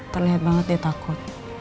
terlihat banget dia takut